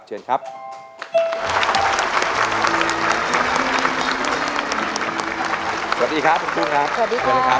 สวัสดีครับคุณกุ้งนะครับ